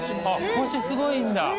コシすごいんだ。